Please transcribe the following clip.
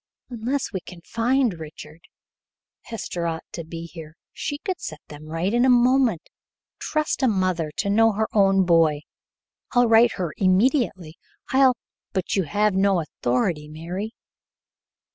"Unless we can find Richard. Hester ought to be here. She could set them right in a moment. Trust a mother to know her own boy. I'll write her immediately. I'll " "But you have no authority, Mary."